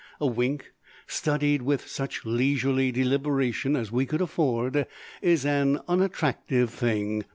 A wink, studied with such leisurely deliberation as we could afford, is an unattractive thing.